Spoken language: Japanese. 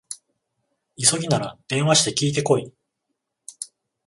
急ぎなら電話して聞いてこい